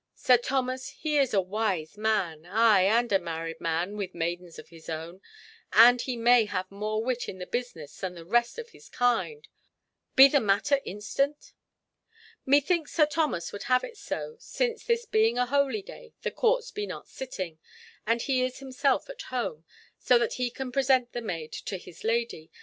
Sir Thomas—he is a wise man, ay, and a married man, with maidens of his own, and he may have more wit in the business than the rest of his kind. Be the matter instant?" "Methinks Sir Thomas would have it so, since this being a holy day, the courts be not sitting, and he is himself at home, so that he can present the maid to his lady.